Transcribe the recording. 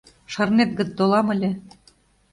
Шарнет гын, толам ыле.